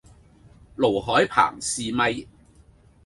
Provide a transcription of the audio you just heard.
盧海鵬試咪